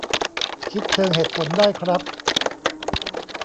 คิดเชิงเหตุผลได้ครับ